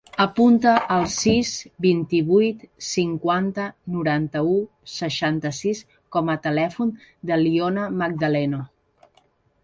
Apunta el sis, vint-i-vuit, cinquanta, noranta-u, seixanta-sis com a telèfon de l'Iona Magdaleno.